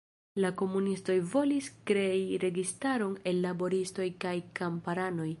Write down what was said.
La komunistoj volis krei registaron el laboristoj kaj kamparanoj.